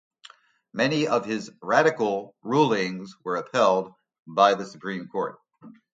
Many of his "radical" rulings were upheld by the Supreme Court.